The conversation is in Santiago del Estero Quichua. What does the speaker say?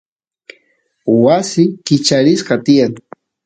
wasi kicharispa tiyan